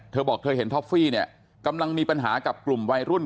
เธอบอกเธอเห็นท็อฟฟี่เนี่ยกำลังมีปัญหากับกลุ่มวัยรุ่น